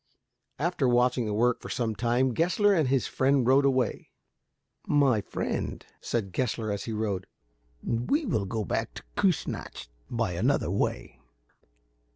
After watching the work for some time, Gessler and his friend rode away. "My friend," said Gessler, as he rode, "we will go back to Kiissnacht by another way.